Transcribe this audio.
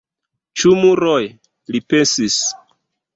"Ĉu muroj?" li pensis.